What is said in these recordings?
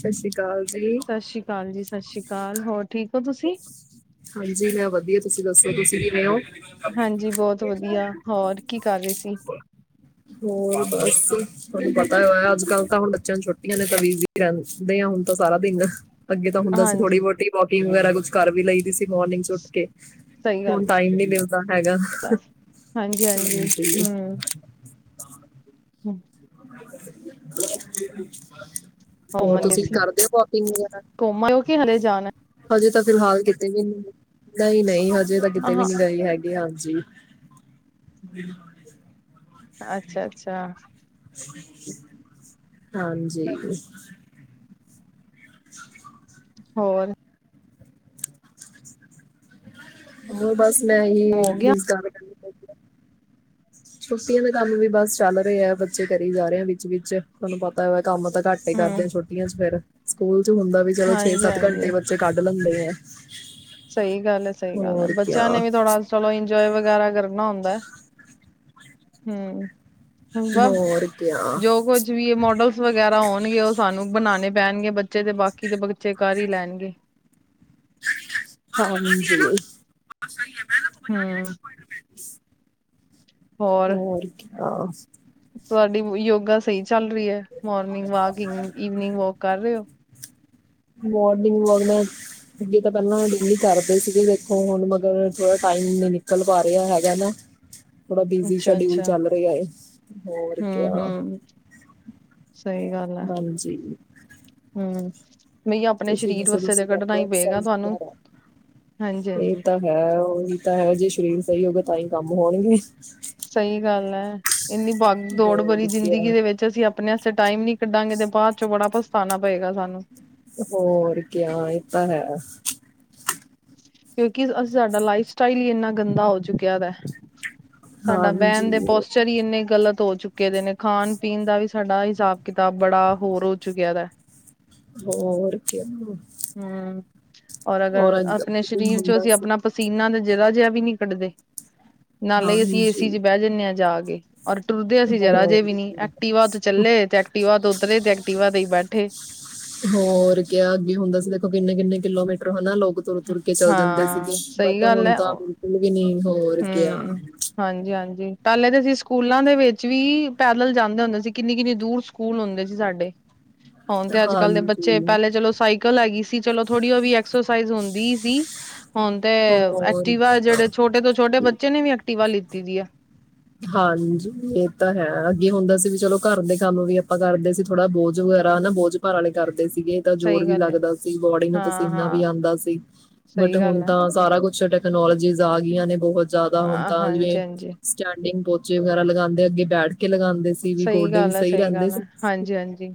ਸਸ ਰੀ ਕਾਲ ਜੀ। ਸਸ਼ ਰੀ ਕਾਲ ਜੀ, ਸਸ਼ ਰੀ ਕਾਲ ਹੋਰ ਠੀਕ ਹੋ ਤੁਸੀਂ? ਹਾਂਜੀ ਮੈਂ ਵਧੀਆ ਤੁਸੀਂ ਦੱਸੋ ਤੁਸੀਂ ਕਿਵੇਂ ਓ। ਹਾਂਜੀ ਬੋਤ ਵਧੀਆ ਹੋਰ ਕੀ ਕਰ ਰਹੇ ਸੀ। ਹੋਰ ਬਸ। ਤੁਹਾਨੂੰ ਪਤਾ ਆ ਅੱਜ-ਕੱਲ ਤਾਂ ਹੁਣ ਬੱਚਿਆਂ ਛੋਟੀਆਂ ਨੇ ਤਾਂ ਬੀਜ਼ੀ ਰਹਿੰਦੇ ਆ ਹੁਣ ਤਾਂ ਸਾਰਾ ਦਿਨ ਅੱਗੇ ਹੁੰਦਾ ਸੀ ਥੋੜੀ ਹਾਂਜੀ ਬੋਤੀ ਵਾਕਿੰਗ ਵਗੈਰਾ ਕੁਛ ਕਰ ਵੀ ਲਈ ਦੀ ਸੀ ਮੋਰਨਿੰਗ ਚ ਉੱਠ ਕੇ, ਸਹੀ ਗੱਲ ਹੁਣ ਟਾਈਮ ਨੀ ਮਿਲਦਾ ਹੈਗਾ ਆ। ਹਾਂਜੀ। ਹੂੰ [inaudible] ਹੋਰ ਘੁੰਮਣ ਗਏ ਤੁਸੀਂ ਸੀ ਕਰਦੇ ਹੋ ਵੋਕਿੰਗ ਵਗੈਰਾ। ਘੁੰਮ ਆਇਓ ਕਿ ਹਲੇ ਜਾਣਾ ਹਜੇ ਤਾਂ ਫਿਲਹਾਲ ਕਿਤੇ ਵੀ ਨੀ, ਨਈ-ਨਈ ਹਜੇ ਤਾਂ ਕਿਤੇ ਵੀ ਹਾਂ ਨਈ ਗਈ ਹੈਗੀ। ਗੇ ਹਾਂਜੀ। ਅੱਛਾ ਅੱਛਾ। [inaudible] ਹਾਂਜੀ। [inaudible] ਹੋਨ ਹੋਰ ਬਸ ਮੈਂ ਹੀ ਹੋ ਗਿਆ ਮਿਸ ਕਾਲ ਕਰਨੀ ਪੈ ਗੀ। [inaudible] ਛੁੱਟੀਆਂ ਦਾ ਕੰਮ ਵੀ ਬਸ ਚੱਲ ਰਹੇ ਆ ਬੱਚੇ ਕਰੀ ਜਾ ਰਹੇ ਆ ਵਿੱਚ-ਵਿੱਚ ਤੁਹਾਨੂੰ ਪਤਾ ਉਹ ਕੰਮ ਤਾਂ ਘੱਟ ਘੱਟ ਈ ਹਮ ਕਰਦੇ ਛੋਟੀਆਂ ਚ ਫੇਰ ਸਕੂਲ ਚ ਹੁੰਦਾ ਵੀ ਚਲੋ ਛ- ਹਾਂਜੀ ਸੱਤ ਹਾਂਜੀ ਘੰਟੇ ਬੱਚੇ ਕੱਢ ਲੈਂਦੇ ਨੇ। ਸਹੀ ਗੱਲ ਐ, ਸਹੀ ਗੱਲ ਐ, ਬੱਚਿਆਂ ਨੇ ਵੀ ਥੋੜਾ ਚਲੋ ਇੰਜੋਏ ਵਗੈਰਾ ਕਰਨਾ ਹੁੰਦਾ। ਹੂੰ ਬਸ ਹੋਰ ਕਿਆ ਜੋ ਕੁਝ ਜਿਵੇ ਵੀ ਇਹ ਮੋਡਲਸ ਵਗੈਰਾ ਹੋਣਗੇ ਉਹ ਸਾਨੂੰ ਬਣਾਣੇ ਪੈਣਗੇ, ਬੱਚੇ ਤੇ ਬਾਕੀ ਦੇ ਬੱਚੇ ਕਰ ਈ ਲੈਣਗੇ। ਹਾਜੀ ਓ, ਬੋਤ ਸਹੀ ਐ ਫੇਰ ਹੂੰ ਹੋਰ ਕੀ ਬਸ। ਤੁਆਡੀ ਯੋਗਾ ਸਹੀ ਚੱਲ ਰਹੀ ਹੈ, ਮੋਰਨਿੰਗ ਵਾਕ, ਈਵ-ਈਵਨਿੰਗ ਵਾਕ ਕਰ ਰਹੇ ਓ? ਮੋਨਿੰਗ ਵਾਕ ਤਾ ਯੋਗਾ ਤਾਂ ਪਹਿਲਾਂ ਡੇਲੀ ਕਰਦੇ ਸੀਗੇ ਦੇਖੋ ਹੁਣ ਮਗਰ ਥੋੜਾ ਟਾਈਮ ਨੀ ਨਿਕਲ ਪਾ ਰਿਹਾ ਹੈਗਾ ਨਾ। ਥੋੜਾ ਬਿਜੀ ਅੱਛਾ ਸ਼ਡਿਊਲ ਅੱਛਾ ਚੱਲ ਰਿਹਾ ਐ, ਹੋਰ ਹਮ ਕਿਆ। ਹਮ ਹਾਂਜੀ। ਹੂੰ ਨਈ ਆਪਣੇ ਤੁਸੀਂ ਸਰੀਰ ਦੱਸੋ ਵਾਸਤੇ 'ਤੇ ਤੁਸੀਂ ਕੱਢਣਾ ਕਰਦੇ ਹੋ ਈ ਪੇਗਾ ਐਕਸਰਸਾਈਜ਼ ਤੁਹਾਨੂੰ, ਵਗੈਰਾ ਇਹ ਹਾਂਜੀ-ਹਾਂਜੀ। ਤਾਂ ਹੈ ਉਹੀ ਤਾਂ ਹੈ ਜੇ ਸਰੀਰ ਸਈ ਹੋਏਗਾ ਤਾਂ ਈ ਕੰਮ ਹੋਣਗੇ। ਸਈ ਗੱਲ ਐ ਇੰਨੀ ਭਗ ਦੌੜ ਹੋਰ ਭਰੀ ਜ਼ਿੰਦਗੀ ਕਿਆ ਦੇ ਵਿੱਚ ਅਸੀਂ ਆਪਣੇ ਵਸਤੇ ਟਾਈਮ ਨੀ ਕੱਢਾਂਗੇ 'ਤੇ ਬਾਅਦ ਚੋਂ ਬੜਾ ਪਛਤਾਨਾ ਪਏਗਾ ਸਾਨੂੰ। ਹੋਰ ਕੇਆ ਏ ਤਾਂ ਹੈ ਆ। ਕਿਉਕਿ ਅ ਸਾਡਾ ਲਾਈਫ ਸਟਾਈਲ ਈ ਇੰਨਾ ਗੰਦਾ ਹੋ ਚੁੱਕਿਆ ਦਾ ਐ। ਸਾਡਾ ਬੈਨ ਹਾਂਜੀ ਦੇ ਪੋਸ ਚਰ ਈ ਇੰਨੇ ਗ਼ਲਤ ਹੋ ਚੁੱਕੇ ਦੇ ਨੇ ਖਾਣ ਪੀਣ ਦਾ ਵੀ ਸਾਡਾ ਹਿਸਾਬ ਕਿਤਾਬ ਬੜਾ ਹੋਰ ਹੋ ਚੁੱਕਿਆ ਦਾ ਐ। ਹੋਰ ਕੇਆ। ਹੂੰ ਔਰ ਅਗਰ ਆਪਣੇ ਦਿਨ ਸਰੀਰ ਚੋਂ ਹੁੰਦਾ ਅਸੀਂ ਸੀ ਆਪਣਾ ਪਸੀਨਾ ਦਾ ਜਰਾ ਜੇਆ ਵੀ ਨੀ ਕੱਢਦੇ, ਨਾਲੇ ਈ ਅਸੀਂ ਏ ਸੀ ਹਾਂਜੀ 'ਚ ਬੈ ਜਾਂਨੇ ਆ ਜਾ ਕੇ। ਔਰ ਟੁਰਦੇ ਅਸੀ ਜਰਾ ਜੇ ਹੋਰ ਵੀ ਨੀ ਕਿਆ। ਐਕਟੀਵਾ ਤੋਂ ਚੱਲੇ 'ਤੇ ਐਕਟੀਵਾ ਤੋਂ ਉਤਰੇ 'ਤੇ ਐਕਟੀਵਾ 'ਤੇ ਈ ਬੈਠੇ। ਹੋਰ ਕੇਆ ਅੱਗੇ ਹੁੰਦਾ ਸੀ ਦੇਖੋ ਕਿੰਨੇ-ਕਿੰਨੇ ਕਿਲੋਮੀਟਰ ਹਨਾ ਲੋਕ ਤੁਰ-ਤੁਰ ਕੇ ਚੱਲ ਜਾਂਦੇ ਸੀਗੇ ਹਾਂ ਸਹੀ ਬਟ ਗੱਲ ਹੁਣ ਹੈ ਤਾਂ ਬਿਲਕੁੱਲ ਵੀ ਨੀ ਹੋਰ ਕਿਆ। ਹਾਂਜੀ-ਹਾਂਜੀ ਪਹਿਲੇ 'ਤੇ ਅਸੀਂ ਸਕੂਲਾਂ ਦੇ ਵਿੱਚ ਵੀ ਪੈਦਲ ਜਾਂਦੇ ਹੁੰਦੇ ਸੀ ਕਿੰਨੀ-ਕਿੰਨੀ ਦੂਰ ਸ ਕੂਲ ਹੁੰਦੇ ਸੀ ਸਾਡੇ। ਹੁਣ 'ਤੇ ਅੱਜ-ਕੱਲ ਦੇ ਬੱਚੇ ਹਾਂਜੀ ਪਹਿਲੇ ਚਲੋ ਸਾਈਕਲ ਹੈਗੀ ਸੀ ਚਲੋ ਥੋੜੀ ਓ ਵੀ ਐਕਸਰਸਾਈਜ਼ ਹੁੰਦੀ ਈ ਸੀ। ਹੁਣ 'ਤੇ ਹੋਰ ਕਿਆ। ਐਕਟੀਵਾ ਜਿਹੜੇ ਛੋਟੇ ਤੋਂ ਛੋਟੇ ਬੱਚੇ ਨੇ ਵੀ ਐਕਟੀਵਾ ਲਿੱਤੀ ਦੀ ਐ। ਹਾਂਜੀ ਏ ਤਾਂ ਹੈ ਅੱਗੇ ਹੁੰਦਾ ਸੀ ਵੀ ਚਲੋ ਘਰ ਦੇ ਕੰਮ ਵੀ ਆਪਾਂ ਕਰਦੇ ਸੀ ਥੋੜਾ ਬੋਝ ਵਗੈਰਾ ਹਨਾ ਬੋਝ ਘਰ ਆਲੇ ਕਰਦੇ ਸੀਗੇ ਤਾਂ ਜੋੋਰ ਸਹੀ ਵੀ ਗੱਲ ਹੈ ਲੱਗਦਾ ਸੀ, ਬੋਡੀ ਨੂੰ ਪਸੀਨਾ ਹਾਂ-ਹਾਂ ਵੀ ਆਂਦਾ ਸੀ ਬਟ ਸਹੀ ਗੱਲ ਹੁਣ ਹੈ ਤਾਂ ਸਾਰਾ ਕੁਛ ਟੈ ਕਨੋਲੋਜੀਸ ਆ ਗਈਆਂ ਨੇ ਬਹੁਤ ਜਿਆਦਾ ਹੁਣ ਅ ਤਾਂ ਜਿਵੇਂ ਹਾਂਜੀ-ਹਾਂਜੀ ਚਾਂਡਿੰਗ ਪੋਚੇ ਵਗੈਰਾ ਲਗਾਂਦੇ ਅੱਗੇ ਬੈਠ ਕੇ ਲਗਾ ਸਈ ਗੱਲ ਐ, ਸਈ ਗੱਲ ਐ ਹਾਂਜੀ-ਹਾਂਜੀ,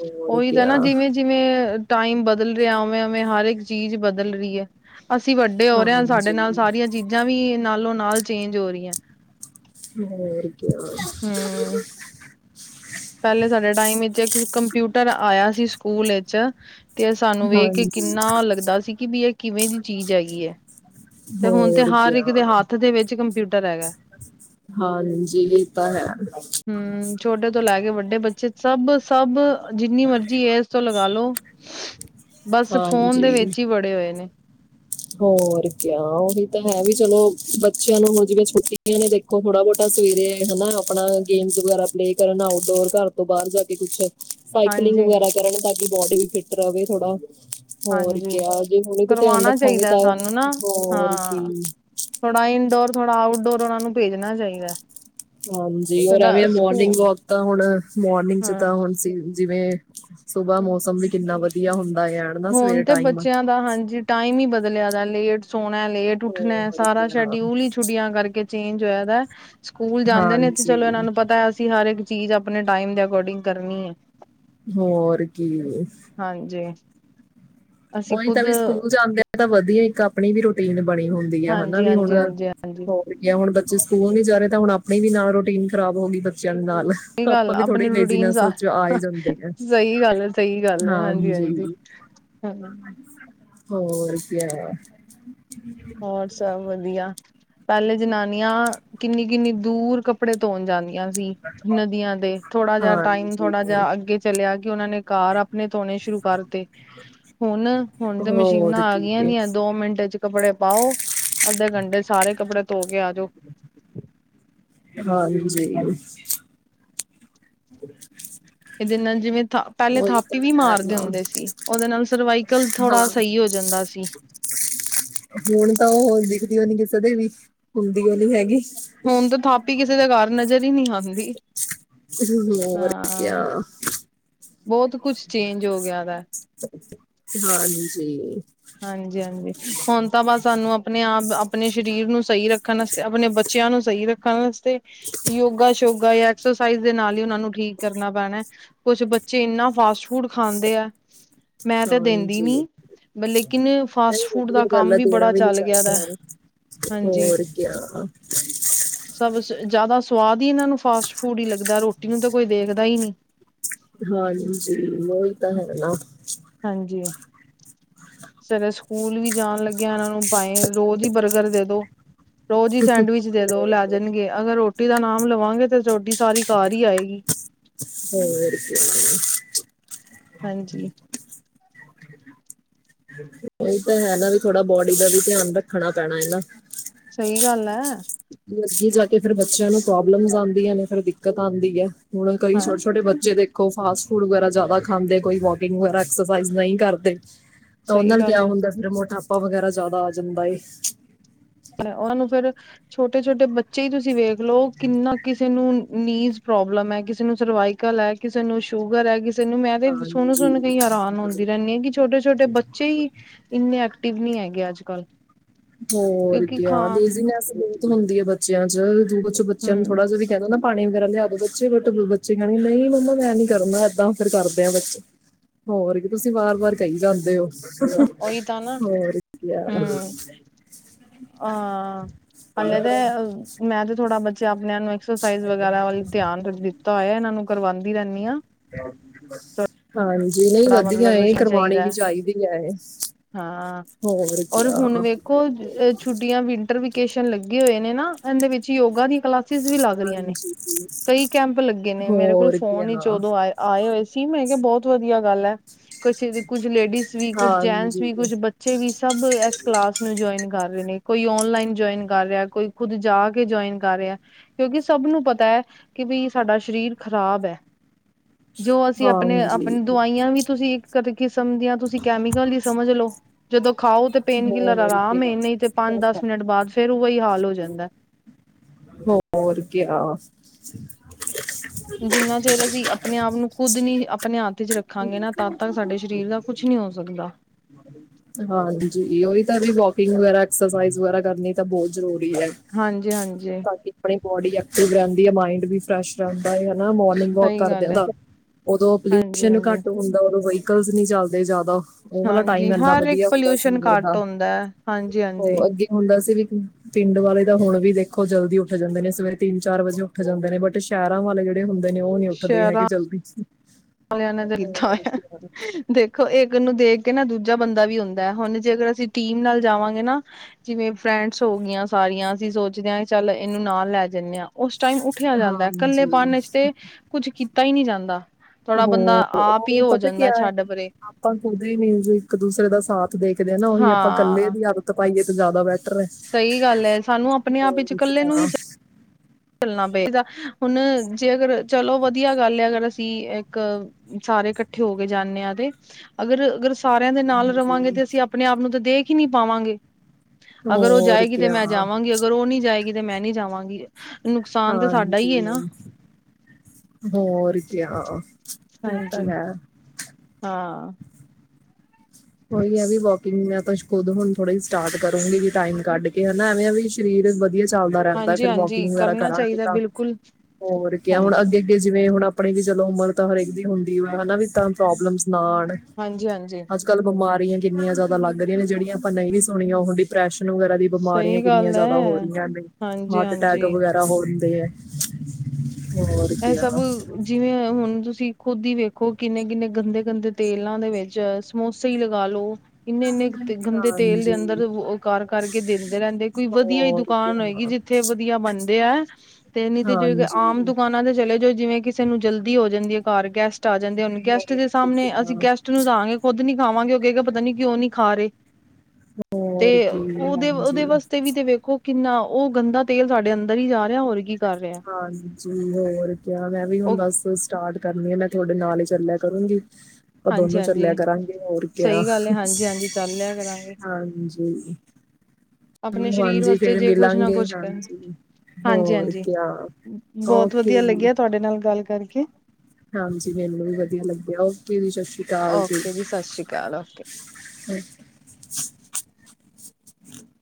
ਹੋਰ ਉਹੀ ਤਾਂ ਕਿਆ ਨਾ ਜਿਵੇਂ ਜਿਵੇਂ ਟਾਈਮ ਬਦਲ ਰੇਆ ਉਵੇਂ-ਉਵੇਂ ਹਰ ਏਕ ਚੀਜ਼ ਬਦਲ ਰੀ ਏ। ਅਸੀਂ ਵੱਡੇ ਹੋ ਰੇ ਆ ਸਾਡੇ ਹਾਂਜੀ ਨਾਲ ਸਾਰੀਆਂ ਚੀਜ਼ਾਂ ਵੀ ਨਾਲੋਂ ਨਾਲ ਚੇਂਜ ਹੋ ਰੀ ਐ। ਹੋਰ ਕਿਆ। ਹੂੰ। ਪਹਿਲੇ ਸਾਡੇ ਟਾਈਮ ਵਿੱਚ ਇੱਕ ਕੰਪਿਊਟਰ ਆਇਆ ਸੀ ਸਕੂਲ ਵਿਚ 'ਤੇ ਸਾਨੂੰ ਵੇਖ ਕੇ ਹਾਂਜੀ ਕਿੰਨਾ ਲੱਗਦਾ ਸੀ ਕਿ ਵੀ ਏ ਕਿਵੇਂ ਦੀ ਚੀਜ਼ ਹੈਗੀ ਐ 'ਤੇ ਹੁਣ 'ਤੇ ਹੋਰ ਹਰ ਕਿਆ ਇੱਕ ਦੇ ਹੱਥ ਦੇ ਵਿੱਚ ਕੰਪਿਊਟਰ ਹੈਗਾ। ਹਾਂਜੀ ਏ ਤਾਂ ਹੈ। ਹੂੰ ਛੋਟੇ ਤੋਂ ਲੈ ਕੇ ਵੱਡੇ ਬੱਚੇ ਸਭ-ਸਭ ਜਿੰਨੀ ਮਰਜ਼ੀ ਏਜ਼ ਤੋਂ ਲਗਾਲੋ ਬਸ ਫ਼ੋਨ ਦੇ ਹਾਂਜੀ ਵਿੱਚ ਈ ਵੜੇ ਹੋਏ ਨੇ। ਹੋਰ ਕੇਆ ਉਹੀ ਤਾਂ ਹੈ ਵੀ ਚਲੋ ਬੱ ਚਿਆਂ ਨੂੰ ਮੁਜਵੇ ਛੁੱਟੀਆਂ ਨੇ ਦੇਖੋ ਥੋੜਾ-ਬੋਤਾ ਸਵੇਰੇ ਹਨਾ ਆਪਣਾ ਗੇਮਜ਼ ਵਗੈਰਾ ਪਲੇਅ ਕਰਨ, ਆਊਟਡੋਰ ਘਰ ਤੋਂ ਬਾਹਰ ਜਾ ਕੇ ਕੁਛ ਸਾਈਕਲਿੰਗ ਹਾਂਜੀ-ਹਾਂਜੀ, ਵਗੈਰਾ ਕਰਨ ਤਾਂ ਕਿ ਬੋਡੀ ਵੀ ਫਿਟ ਰਵੇ ਥੋੜਾ। ਹੋਰ ਕੇਆ ਜੇ ਹੁਣੇ ਤੋਂ ਧਿਆਨ ਕਰਵਾਣਾ ਰੱਖਾਂਗੇ ਚਾਹੀਦਾ ਤਾਂ ਸਾਨੂੰ ਨਾ ਹੋਰ ਹਾਂ, ਕੀ। ਥੋੜਾ ਇਨਡੋਰ, ਥੋੜਾ ਆਊਟਡੋਰ ਉਨਾਂ ਨੂੰ ਭੇਜਣਾ ਚਾਈਦਾ। ਹਾਂਜੀ ਔਰ ਐਵੇਂ ਆ ਮੋਰਨਿੰਗ ਵਾਕ ਤਾਂ ਹੁਣ ਮੋਰਨਿੰਗ 'ਚ ਹਾਂ, ਤਾਂ ਹੁਣ ਸੀ ਜਿਵੇਂ ਸੁਬਾ ਮੌਸਮ ਵੀ ਕਿੰਨਾ ਵਧੀਆ ਹੁੰਦਾ ਆ। ਹਨਾ ਹੁਣ ਸਵੇਰ 'ਤੇ ਟਾਈਮ ਬੱਚਿਆਂ ਦਾ, ਹਾਂਜੀ ਟਾਈਮ ਈ ਬਦਲਿਆ ਦਾ ਲੇਟ ਸੋਣਾ, ਲੇਟ ਉੱਠਣਾ ਹੋਰ ਸਾਰਾ ਕਿਆ ਸ਼ਡਿਊਲ ਈ ਛੁੱਟੀਆਂ ਕਰਕੇ ਚੇਂਜ ਹੋਇਆ ਦਾ, ਸਕੂਲ ਜਾਂਦੇ ਨੇ 'ਤੇ ਚਲੋ ਏਨਾਂ ਹਾਂਜੀ ਨੂੰ ਪਤਾ ਅਸੀਂ ਹਰ ਇੱਕ ਚੀਜ਼ ਆਪਣੇ ਟਾਈਮ ਦੇ ਅਕੋਰਡਿੰਗ ਕਰਨੀ ਏ। ਹੋਰ ਕੀ ਏ? ਹਾਂਜੀ। ਅਸੀਂ ਓਈ ਤਾਂ ਖੁਦ ਵੀ ਸਕੂਲ ਜਾਂਦੇ ਆ ਤਾਂ ਵਧੀਐ, ਇੱਕ ਆਪਣੀ ਵੀ ਰੂਟੀਨ ਬਣੀ ਹੁੰਦੀ ਆ, ਹਨਾ ਹਾਂਜੀ ਵੀ ਹੁਣ ਹਾਂਜੀ ਹਾਂਜੀ ਹਾਂਜੀ ਹੋਰ ਗਿਆ ਹੁਣ ਬੱਚੇ ਸਕੂਲ ਨੀ ਜਾ ਰੇ ਤਾਂ ਹੁਣ ਅਪਣੀ ਵੀ ਨਾਲ ਰੋਟੀਨ ਖਰਾਬ ਹੋ ਗੀ ਬੱਚਿਆਂ ਦੇ ਨਾਲ। ਸਹੀ ਗੱਲ ਆਪਾਂ ਵੀ ਅਪਣੀ ਥੋੜੀ ਰੂਟੀਨ ਲੇਜ਼ੀਨੈਸ ਸਾ ਚ ਆ ਹੀ ਜਾਂਦੇ ਆ ਸਹੀ ਗੱਲ ਐ, ਸਹੀ ਗੱਲ ਐ। ਹਾਂਜੀ, ਹਾਂਜੀ। ਹਾਂ। ਹੋਰ ਕਿਆ ਹੋਰ ਸਭ ਵਧੀਆ। ਪੈਲੇ ਜਨਾਨੀਆਂ ਕਿੰਨੀ-ਕਿੰਨੀ ਦੂਰ ਕੱਪੜੇ ਧੋਣ ਜਾਂਦੀਆਂ ਸੀ ਨਦੀਆਂ ਤੇ, ਥੋੜਾ ਜਾ ਟਾਈਮ ਹਾਂਜੀ ਥੋੜਾ ਜਾ ਅੱਗੇ ਚਲਿਆ ਕਿ ਓਨਾ ਨੇ ਕਾਰ ਅਪ ਣੇ ਧੋਣੇ ਸ਼ੁਰੂ ਕਰਤੇ। ਹੁਣ, ਹੁਣ ਤੇ ਮਸ਼ੀਨਾਂ ਹੋਰ ਆ ਗੀਆਂ ਕੀ ਦੀਆਂ, ਦੋ ਮਿੰਟ ਏਚ ਕੱਪੜੇ ਆਓ, ਅੱਧੇ ਘੰਡੇ ਚ ਸਾਰੇ ਕੱਪੜੇ ਧੋ ਕੇ ਆ ਜੋ। ਹਾਂਜੀ। ਬੁਰ [inaudible] ਇਹਦੇ ਨਾਲ ਜਿਵੇਂ ਥ ਪੈਲੇ ਥਾਪੀ ਤਾਂ ਵੀ ਹੈ ਮਾਰਦੇ ਨਾ ਹੁੰਦੇ ਸੀ, ਓਹਦੇ ਨਾਲ ਸਰਵਾਈਕਲ ਹਾਂ ਥੋੜਾ ਸਹੀ ਹੋ ਜਾਂਦਾ ਸੀ। ਹੁਣ ਤਾਂ ਓਹ ਦਿਖਦੀਓ ਨੀ ਕਿਸੇ ਦੇ ਵੀ, ਹੁੰਦੀ ਓਹ ਨੀ ਹੈਗੀ। ਹੁਣ ਤੇ ਥਾਪੀ ਕਿਸੇ ਦਾ ਘਰ ਨਜ਼ਰ ਈ ਨੀ ਆਂਦੀ। ਹਂ ਹੋਰ ਕਿਆ ਬੌਤ ਕੁਛ ਚੇਂਜ ਹੋ ਗਿਆ ਵੈ। ਹਾਂਜੀ। ਹਾਂਜੀ-ਹਾਂਜੀ, ਹੁਣ ਤਾਂ ਬਸ ਸਾਨੂੰ ਅਪਣੇ-ਆਪ ਅਪਣੇ ਸਰੀਰ ਨੂੰ ਸਹੀ ਰੱਖਣ ਅਸਤੇ ਅਪਣੇ ਬੱ ਚਿਆਂ ਨੂੰ ਸਹੀ ਰੱਖਣ ਅਸਤੇ ਯੋਗਾ ਯੋਗਾ ਯਾ ਐਕਸਰਸਾਈਜ਼ ਦੇ ਨਾਲ ਈ ਉਹਨਾ ਨੂੰ ਠੀਕ ਕਰਨਾ ਪੈਣੈ। ਕੁਛ ਬੱਚੇ ਇੰਨਾ ਫਾਸਟ-ਫੂਡ ਖਾਂਦੇ ਐ, ਮੈਂ ਤੇ ਦਿੰਦੀ ਹਾਂਜੀ ਨੀ। ਬ ਲੇਕਿਨ ਨਹੀਂ ਫਾਸਟ-ਫੂਡ ਦਾ ਵਧੀਆ ਗੱਲ ਕੰਮ ਆ ਵੀ ਦੇਣਾ ਬੜਾ ਨੀ ਚੱਲ ਗਿਆ ਦੈ। ਚਾਹੀਦਾ ਹੋਰ ਕਿਆ। ਸਭ ਜੈਦਾ ਸਵਾਦ ਈ ਇਹਨਾਂ ਨੂੰ ਫਾਸਟ-ਫੂਡ ਈ ਲੱਗਦੈ ਰੋਟੀ ਨੂੰ ਤਾਂ ਕੋਈ ਦੇਖਦਾ ਈ ਨੀ। ਹਾਂਜੀ, ਓਹੀ ਤਾਂ ਹੈ ਨਾ। ਹਾਂਜੀ। ਸਵਰੇ ਸਕੂਲ ਵੀ ਜਾਣ ਲੱਗਿਆ ਇਹਨਾਂ ਨੂੰ ਭਾਏਂ ਰੋਜ਼ ਈ ਬਰਗਰ ਦੇ ਦੋ। ਰੋਜ਼ ਈ ਸੈਂਡਵਿਚ ਦੇ ਦੋ ਹੋਰ ਲੈ ਕਿਆ ਜਾਣਗੇ। ਅਗਰ ਰੋਟੀ ਦਾ ਨਾਮ ਲਵਾਂਗੇ ਤਾਂ ਰੋਟੀ ਸਾਰੀ ਕਾਰ ਈ ਆਏਗੀ। ਹੋਰ ਕਿਆ। ਹਾਂਜੀ। ਓਹੀ ਤਾਂ ਹੈ ਨਾ, ਵੀ ਥੋੜਾ ਬੋਡੀ ਦਾ ਵੀ ਧਿਆਨ ਰੱਖਣਾ ਪੈਣਾ ਏ ਨਾ। ਸਹੀ ਗੱਲ ਐ। ਅੱਗੇ ਜਾ ਕੇ ਫੇਰ ਬੱਚਿਆਂ ਨੂੰ ਪ੍ਰੋਬਲਮਸ ਆਂਦੀਆਂ ਨੇ ਫੇਰ ਓ ਦਿੱਕਤ ਆਂਦੀ ਐ। ਹੁਣ ਕਈ ਹਾਂ। ਛੋਟੇ-ਛੋਟੇ ਬੱਚੇ ਦੇਖੋ ਫਾਸਟ-ਫੂਡ ਵਗੈਰਾ ਜਾਦਾ ਖਾਂਦੇ ਕੋਈ ਵੋ ਕਿੰਗ ਵੈਗਾਰਾ ਐਕਸਸਾਈਜ਼ ਨਈ ਕਰਦੇ ਤਾਂ ਓ ਸਹੀ ਨਾਲ ਗੱਲ ਕਿਆ ਹੈ। ਹੁੰਦਾ ਫਿਰ ਮੋਟਾ ਪਾ ਵਗੈਰਾ ਜੈਦਾ ਆ ਜਾਂਦਾ ਏ। ਤੇ ਓਨਾ ਨੂੰ ਫੇਰ ਛੋਟੇ-ਛੋਟੇ ਬੱਚੇ ਈ ਤੁਸੀਂ ਵੇਖ ਲੋ ਕਿੰਨਾ ਕਿਸੇ ਨੂੰ ਨੀਜ਼ ਪ੍ਰੋਬਲਮ ਐ, ਕਿਸੇ ਨੂੰ ਸਰਵਾਈਕਲ ਐ ਕਿਸੇ ਨੂੰ ਸ਼ੂਗਰ ਐ, ਕਿਸ ਸੇ ਨੂੰ ਮੈਂ ਤੇ ਸੁਣ-ਸੁਣ ਕੇ ਈ ਹੈਰਾਨ ਹਾਂਜੀ ਹੁੰਦੀ ਰੈਨੀ ਆ ਕੀ ਛੋਟੇ-ਛੋਟੇ ਬੱਚੇ ਈ ਏਨੇ ਐਕਟਿਵ ਨੀ ਹੈਗੇ ਅੱਜ-ਕੱਲ੍ਹ। ਹੋਰ ਕਿਉਂਕਿ ਕਿਆ ਖਾਂ ਲੇਜ਼ੀਨੈਸ ਬੋਤ ਹੁੰਦੀ ਐ ਬੱਚਿਆਂ ਚ, ਜੇੜੇ ਚ ਬੱਚੇਆਂ ਨੂੰ ਹੂੰ ਥੋੜ੍ਹਾ ਜਾ ਵੀ ਕੈਦੋ ਨਾ ਪਾਣੀ ਵਗੈਰਾ ਲਿਆ ਦੋ ਬੱਚੇ, ਅੱਗੋ ਬੱਚੇ ਕੈਨਗੇ ਨਈ ਮੰਮਾ ਮੈਂ ਨੀ ਕਰਨਾ ਏਦਾਂ ਫੇਰ ਕਰਦੇ ਆ ਬੱਚੇ। ਹੋਰ ਕੀ ਤੁਸੀਂ ਵਾਰ-ਵਾਰ ਕਈ ਜਾਂਦੇ ਓ, ਉਹੀ ਤਾਂ ਨਾ ਹੋਰ ਕਿਆ। ਆ ਹਲੇ ਤੇ ਮੈਂ ਤੇ ਥੋੜਾ, ਬੱਚੇ ਆਪਣਿਆਂ ਨੂੰ ਐਕਸਰਸਾਈਜ਼ ਵਗੈਰਾ ਵੱਲ ਧਿਆਨ ਦਿੱਤਾ ਹੋਇਆ, ਏਨਾਂ ਨੂੰ ਕਰਵਾਂਦੀ ਰੈਨੀ ਆ। ਹਾਂਜੀ, ਨਈ ਥੋੜਾ ਵਧੀਆ ਮਤਲਬ ਏ ਕਰਵਾਣੀ ਚਾਹੀਦਾ ਵੀ ਚਾਈਦੀ ਐ ਏ ਹਾਂ, ਹੋਰ ਔਰ ਕਿਆ ਹੁਣ ਵੇ ਕੁਝ ਛੁੱਟੀਆਂ ਵਿੰਟਰ ਵੈਕੇਸ਼ਨ ਲੱਗੇ ਹੋਏ ਨੇ ਨਾ, ਏਂਦੇ ਵਿੱਚ ਯੋਗਾ ਦੀਆਂ ਕਲਾ ਸ਼ਿਸ ਵੀ ਲੱਗ ਰੀਆਂ ਨੇ, ਹਾਂਜੀ ਕਈ ਕੈਂਪ ਲੱਗੇ ਨੇ ਮੇਰੇ ਕੋਲ ਹੋਰ ਕਿਆ ਫੋਨ ਈ ਚ ਉਦੋਂ ਆਇ ਆਏ ਹੋਏ ਸੀ, ਮੈਂ ਕਿਆ ਬੋਤ ਵਧੀਆ ਗੱਲ ਐ। ਕੁਛ ਕੁੱਝ ਲੇਡੀਜ਼ ਵੀ, ਕੁੱਝ ਜੈਂਟਸ ਹਾਂਜੀ ਵੀ, ਕੁੱਝ ਬੱ ਚੇ ਵੀ ਸਭ ਐਸ ਕਲਾਸ ਨੂੰ ਜੁਆਇਨ ਕਰ ਰੇ ਨੇ, ਕੋਈ ਓਨਲਾਈਨ ਜੁਆਇਨ ਕਰ ਰਿਆ ਕੋਈ ਖੁੱਦ ਜਾ ਕੇ ਜੁਆਇਨ ਕਰ ਰਿਆ। ਕਿਓਕੇ ਸਬ ਨੂੰ ਪਤੈ ਕੇ ਬੀ ਸਾਡਾ ਸਰੀਰ ਖ਼ਰਾਬ ਐ। ਜੋ ਅਸੀਂ ਆਪਣੇ ਆਪ ਹਾਂਜੀ ਨੀਆਂ ਵੀ ਤੁਸੀਂ ਇੱਕ ਕਿਸਮ ਦੀਆਂ, ਤੁਸੀਂ ਕੈਮੀਕਲ ਈ ਸਮਝ ਲੋ, ਜਦੋਂ ਖਾਓ ਤੇ ਪੇਨ ਕਿਲਰ ਹੋਰ ਆਰਾਮ ਕਿਆ ਏ ਨਈ ਤੇ ਪੰਜ, ਦਸ ਮਿੰਟ ਬਾਦ ਫੇਰ ਵੋਈ ਹਾਲ ਹੋ ਜਾਂਦੈ। ਹੋਰ ਕਿਆ। ਜਿੰਨਾ ਚਿਰ ਅਸੀਂ ਆਪਣੇ ਆਪ ਨੂੰ ਖੁੱਦ ਨੀ ਆਪਣੇ ਹੱਥ ਚ ਰੱਖਾਂਗੇ ਨਾ, ਤਦ ਤੱਕ ਸਾਡੇ ਸਰੀਰ ਦਾ ਕੁਛ ਨੀ ਹੋ ਸਕਦਾ। ਹਾਂਜੀ। ਜੀ, ਏ ਓਈ ਤਾਂ ਵੀ ਵੋਕਿੰਗ ਵਗੈਰਾ, ਐਕਸਰਸਾਈਜ਼ ਵਗੈਰਾ ਕਰਨੀ ਤਾਂ ਬੋਤ ਜ਼ਰੂਰੀ ਐ। ਹਾਂਜੀ-ਹਾਂਜੀ। ਆਪਣੀ ਬੋਡੀ ਐਕਟਿਵ ਰੈਂਦੀ ਐ, ਮਾਇੰਡ ਵੀ ਫਰੈਸ਼ ਰੈਂਦਾ ਹਨਾ, ਮੋਰਨਿੰਗ ਵੋਕ ਸਹੀ ਗੱਲ ਏ ਕਰਦਿਆਂ ਓਦੋਂ ਪੋਲਿਊਸ਼ਨ ਹਾਂਜੀ-ਹਾਂਜੀ। ਹਾਂਜੀ ਘੱਟ ਹੁੰਦਾ, ਉ ਕਲਸ ਨੀ ਚੱਲਦੇ ਜਾਦਾ। ਹਾਂਜੀ, ਹਰ ਇੱਕ ਪੋਲਿਊਸ਼ਨ ਘੱਟ ਹੁੰਦਾ, ਹਾਂਜੀ-ਹਾਂਜੀ। ਹੁਣ ਵੈਸੇ ਵੀ ਕੀ ਪਿੰਡ ਵਾਲੇ ਤਾਂ ਹੁਣ ਵੀ ਦੇਖੋ ਜਲਦੀ ਉੱਠ ਜਾਂਦੇ ਨੇ, ਸਵੇਰੇ ਤਿੰਨ-ਚਾਰ ਵਜੇ ਉੱਠ ਜਾਂਦੇ ਨੇ ਬਟ ਸ਼ੈਰਾਂ ਵਾਲੇ ਜੇੜੇ ਹੁੰਦੇ ਨੇ ਓ ਨੀ ਉੱਠਦੇ ਹੈਗੇ, ਜਲਦੀ। [inaudible] ਲਿੱਦਾਂ ਹੋਰ ਹੋਇਆ ਕੀ ਹਾਲ ਹੈ? ਦੇਖੋ ਇੱਕ ਨੂੰ ਦੇਖ ਕੇ ਨਾ ਦੂਜਾ ਬੰਦਾ ਵੀ ਹੁੰਦਾ, ਹੁਣ ਜਦੋਂ ਅਸੀਂ ਟੀਮ ਨਾਲ ਜਾਵਾਂਗੇ ਨਾ ਜਿਵੇਂ ਫਰੈਂਡਸ ਹੋਗੀਆਂ ਸਾਰੀਆਂ, ਅਸੀਂ ਸੋਚਦੇ ਆ, ਚੱਲ ਏਨੂੰ ਨਾਲ ਲੈ ਜਾਂਨੇ ਆ ਓਸ ਟਾਈਮ ਉੱਠਿਆ ਜਾਂਦਾ, ਕੱਲੇਪਨ ਹਾਂਜੀ 'ਚ ਤੇ ਕੁੱਝ ਕੀਤਾ ਈ ਨੀ ਜਾਂਦਾ। ਥੋੜਾ ਬੰਦਾ ਹੋਰ ਓ ਆਪ ਹੀ ਵੀ ਹੋ ਪਤਾ ਜਾਂਦਾ ਕਿਆ ਏ। ਛੱਡ ਪਰੇ ਆਪਾਂ ਖੁੱਦ ਈ ਮੀਂਜ ਇਕ ਦੂਸਰੇ ਦਾ ਸਾਥ ਦੇਖਦੇ ਆ ਨਾ, ਓਹੀ ਆਪਾਂ ਕੱਲੇ ਦੀ ਆ ਤ ਪਾਈਏ ਤੇ ਜਾਦਾ ਬੈਟਰ ਐ। ਸਈ ਗੱਲ ਐ, ਸਾਨੂੰ ਆਪਣੇ-ਆਪ ਵਿਚ ਕੱਲੇ ਨੂੰ ਈ ਜਾ ਚੱਲਣਾ ਪਏਗਾ, ਹੁਣ ਜੇ ਅਗਰ ਚਲੋ ਵਧੀਆ ਗੱਲ ਐ ਅਗਰ ਅਸੀਂ, ਇੱਕ ਸਾਰੇ ਕੱਠੇ ਹੋ ਕੇ ਜਾਂਨੇ ਆ ਤੇ। ਅਗਰ-ਅਗਰ ਸਾਰੇਆਂ ਦੇ ਨਾਲ ਰਵਾਂਗੇ ਤੇ ਅਸੀਂ ਆਪਣੇ ਆਪ ਨੂੰ ਤਾਂ ਦੇਖ ਈ ਨੀ ਪਾਵਾਂਗੇ। ਅਗਰ ਓ ਹੋਰ ਜਾਏਗੀ ਤੇ ਕਿਆ ਮੈਂ ਹਾਂਜੀ ਜਾਵਾਂਗੀ, ਅਗਰ ਓ ਨੀ ਜਾਏਗੀ ਤੇ ਮੈਂ ਨੀ ਜਾਵਾਂਗੀ। ਹੋਰ ਕਿਆ ਨੁਕਸਾਨ ਤਾਂ ਸਾਡਾ ਈ ਏ ਨਾ। ਹਾਂਜੀ ਹੋਰ ਕਿਆ। ਇਹ ਹਾਂਜੀ, ਤਾਂ ਹੈ ਹਾਂ। ਉਹੀ ਹੈ ਵੀ ਵੋਕਿੰਗ, ਮੈਂ ਤਾਂ ਖੁਦ ਹੁਣ ਥੋੜਾ ਸਟਾਰਟ ਕਰੂੰਗੀ ਵੀ ਟਾਈਮ ਕੱਢ ਕੇ ਹਨਾ ਐਵੇਂ, ਐਂਵੇ ਵੀ ਸਰੀਰ ਵਧੀਆ ਚੱਲਦਾ ਰਹਿੰਦਾ ਹਾਂਜੀ ਫੇਰ ਵੋਕਿੰਗ ਹਾਂਜੀ ਵਗੈਰਾ ਕਰਨਾ ਕਰਾਂਗੇ ਚਾਹੀਦਾ ਤਾਂ, ਬਿਲਕੁਲ ਹੋਰ ਕਯਾ ਹੁਣ ਹਾਂਜੀ। ਅੱਗੇ ਜਿਵੇਂ ਹੁਣ ਆਪਣੀ ਵੀ ਚਲੋ ਉਮਰ ਤਾਂ ਹਰੇਕ ਦੀ ਹੁੰਦੀ ਹੋ ਹਨਾ ਵੀ ਤਾਂ ਪ੍ਰੋਬਲਮਸ ਨਾ ਆਣ। ਹਾਂਜੀ, ਹਾਂਜੀ ਕੱਲ ਬਿਮਾਰੀਆਂ ਕਿੰਨੀਆ ਜ਼ਿਆਦਾ ਲਗ ਰੀਆਂ ਨੇ ਜਿਹੜੀਆਂ ਆਪਾਂ ਨਹੀਂ ਸੁਣੀਆਂ ਉਹ ਵੀ ਡਿਪ੍ਰੈਸ਼ਨ ਵਗੈਰਾ ਦੀ ਬਿਮਾਰੀਆਂ ਸਹੀ ਕਿੰਨੀਆਂ ਗੱਲ ਜ਼ਿਆਦਾ ਹੋ ਹੈ ਰਹੀਆਂ ਨੇ, ਹਾਂਜੀ ਹਾਰਟ ਅਟੈਕ ਹਾਂਜੀ ਵਗੈਰਾ ਹੋ ਹੁੰਦੇ ਹੈ। ਹੋਰ ਇਹ ਕਿਆ ਸਬ ਜਿਵੇਂ ਹੁਣ ਤੁਸੀਂ ਖੁੱਦ ਈ ਵੇਖੋ ਕਿੰਨੇ- ਕਿੰਨੇ ਗੰਦੇ, ਗੰਦੇ ਤੇਲਾਂ ਦੇ ਵਿੱਚ ਸਮੋਸੇ ਈ ਲਗਾਲੋ ਇੰਨੇ-ਇੰਨੇ ਗੰਦੇ ਤੇਲ ਦੇ ਹਾਂਜੀ ਅੰਦਰ ਔ ਕਰ ਕਰਕੇ ਦਿੰਦੇ ਰਹਿੰਦੇ, ਕੋਈ ਵਧੀਆ ਈ ਹੋਰ ਦੁਕਾਨ ਕਿਆ ਹੋਏਗੀ ਜਿਥ ਥੇ ਵਧੀਆ ਬਣਦੇ ਐ ਤੇ ਨਹੀਂ ਤੇ ਜੇ ੜੀ ਤੇ ਹਾਂਜੀ ਆਮ ਦੁਕਾਨ ਨਾ ਤੇ ਚਲੇ ਜਾ ਜਾਓ ਕਿਸੇ ਨੂੰ ਜਲਦੀ ਹੋ ਜਾਂਦੀ ਐ, ਘਰ ਗੈਸਟ ਆ ਜਾਂਦੇ ਹੂਣ ਗੈਸਟ ਹੋਰ ਦੇ ਸਾਹਮਣੇ ਅਸੀਂ ਕਿਆ ਗੈਸਟ ਟ ਨੂੰ ਦਾੰਗੇ ਖੁਦ ਨੀ ਖਾਵਾਂਗੇ ਔ ਕੇ ਗਾ ਪਤਾ ਨੀਉਂ ਨਹੀਂ ਖਾ ਰਹੇ। ਤੇ ਹੋਰ ਕੀ ਉਹਦੇ, ਉਹਦੇ ਹਾਂਜੀ ਵਾਸਤੇ ਵੀ ਤੇ ਵੇਖੋ [inaudible] ਕਿੰਨਾ ਔਹ ਗੰਦਾ ਤੇਲ ਸਾਡੇ ਅੰਦਰ ਈ ਜਾ ਰਿਹਾ ਹੋਰ ਕੀ ਕਰ ਰੇਆ। ਹਾਂਜੀ, ਹੋਰ ਕਿਆ ਮੈਂ ਵੀ ਹੁਣ ਉਹ ਬੱਸ, ਵਸ ਸਟਾਰਟ ਕਰਨੀ ਆ, ਮੈਂ ਥੋਡੇ ਨਾਲ ਹੀ ਚੱਲੈਯ ਕਰੂੰਗੀ। ਪਾਂ ਦੋਨੋ ਚੱਲਿਆ ਹਾਂਜੀ-ਹਾਂਜੀ ਕਰਾਂਗੇ ਹੋਰ ਕਯਾ, ਸਹੀ ਗੱਲ ਹੈ ਹਾਂਜੀ-ਹਾਂਜੀ ਚੱਲ ਲਿਆ ਕਰਾਂਗੇ ਹਾਂਜੀ। ਆਪਣੇ ਸਰੀਰ ਹਾਂਜੀ ਵਾਸਤੇ ਫੇਰ ਜੇ ਕੁਛ ਨਾ ਮਿਲਾਂਗੇ ਕੁਛ ਕਰਨ ਹਾਂਜੀ ਹਾਂਜੀ, ਹੋਰ ਹਾਂਜੀ ਕਿਆ ਬੋਹਤ ਓਕੇ ਵਧੀਆ ਜੀ ਲੱਗਿਆ ਤੁਹਾਡੇ ਨਾਲ ਗੱਲ ਕਰਕੇ। ਹਾਂਜੀ ਮੈਨੂੰ ਵੀ ਵਧੀਆ ਲੱਗਿਆ, ਓਕੇ ਵੀ ਸਸ਼ਿ ਸ਼ੀ ਔਕੇ ਜੀ ਸਸ਼ਿ ਰੀਕਾਲ ਔਕੇ।